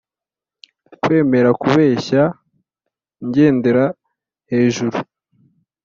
kwemera kubeshya ngendera hejuru